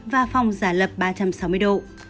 và phòng giả lập ba trăm sáu mươi độ